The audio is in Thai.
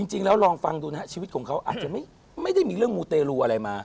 ลองฟังดูนะฮะชีวิตของเขาอาจจะไม่ได้มีเรื่องมูเตรลูอะไรมา